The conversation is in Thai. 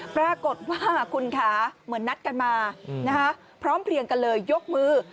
ปรากฏว่าคุณค่ะเหมือนนัดกันมานะคะพร้อมเพลียงกันเลยยกมือ